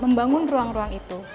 membangun ruang ruang itu